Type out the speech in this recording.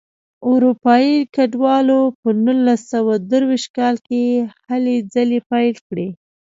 اروپایي کډوالو په نولس سوه درویشت کال کې هلې ځلې پیل کړې.